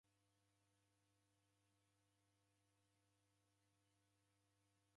Lusenge lukafuma vua yadasigha kunya